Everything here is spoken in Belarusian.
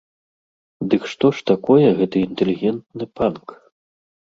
Дык што ж такое гэты інтэлігентны панк?